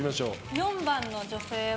４番の女性は。